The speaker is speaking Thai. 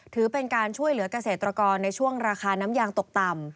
ถือเป็นการช่วยเหลือกเกษตรกรในช่วงราคาน้ำยางตกต่ำ